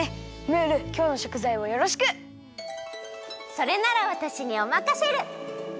それならわたしにおまかシェル！